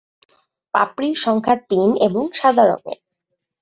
পাপড়ির সংখ্যা তিন এবং সাদা রঙের।